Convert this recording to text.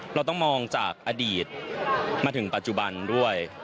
เราต้องมองจากอดีตมาถึงปัจจุบันด้วย